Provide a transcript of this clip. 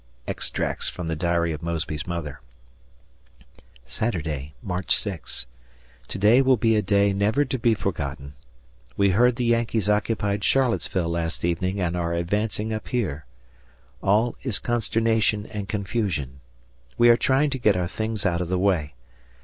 [Extracts from the diary of Mosby's mother] Saturday, March 6. To day will be a day never to be forgotten. We heard the Yankees occupied Charlottesville last evening and are advancing up here. All is consternation and confusion. We are trying to get our things out of the way.